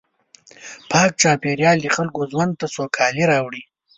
پاک چاپېریال د خلکو ژوند ته سوکالي راوړي.